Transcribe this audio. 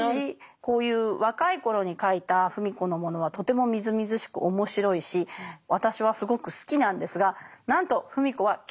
こういう若い頃に書いた芙美子のものはとてもみずみずしく面白いし私はすごく好きなんですがなんと芙美子は気に入ってません。